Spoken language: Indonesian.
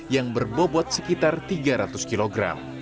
yang berbobot sekitar tiga ratus kg